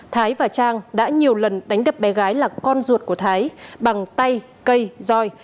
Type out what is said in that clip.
thái và trang đã nhiều lần đánh đập bé gái là con ruột của thái bằng tay cây roi